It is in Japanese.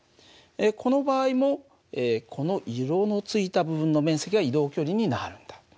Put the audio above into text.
この場合もこの色のついた部分の面積が移動距離になるんだ。